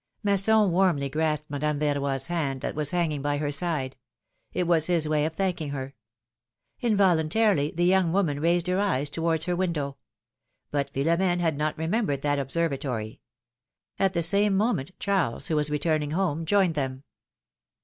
Masson warmly grasped Madame Verroy's hand, that was hanging by her side : it was his way of thanking her. Involuntarily the young woman raised her eyes towards her window'; but Philom^ne had not remembered that observatory. At the same moment, Charles, who was returning home, joined them.